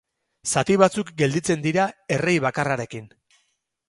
Zati batzuk gelditzen dira errei bakarrarekin.